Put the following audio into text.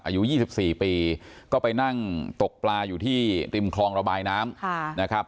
อายุยี่สิบสี่ปีก็ไปนั่งตกปลาอยู่ที่ติมคลองระบายน้ำค่ะนะครับ